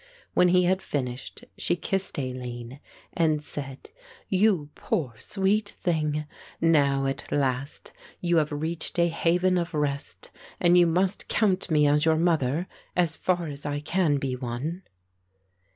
When he had finished she kissed Aline and said, "You poor sweet thing, now at last you have reached a haven of rest and you must count me as your mother as far as I can be one."